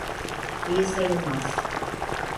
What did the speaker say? İyi sayılmaz.